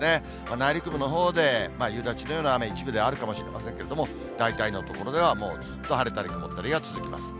内陸部の夕立のような雨、一部であるかもしれませんけれども、大体の所では、もうずっと晴れたり曇ったりが続きます。